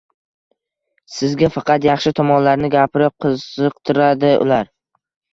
Sizga faqat yaxshi tomonlarini gapirib qiziqtiradi ular.